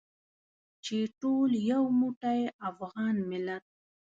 چې ټول یو موټی افغان ملت.